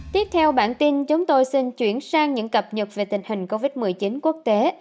tiếp theo bản tin chúng tôi xin chuyển sang những cập nhật về tình hình covid một mươi chín quốc tế